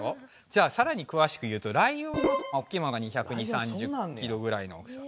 じゃあさらにくわしく言うとライオンの大きいものが２２０２３０キロぐらいの大きさ。